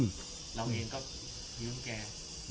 เราเห็นก็ยืมแก